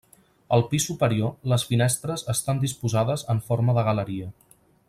Al pis superior les finestres estan disposades en forma de galeria.